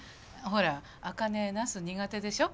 ほら茜なす苦手でしょ。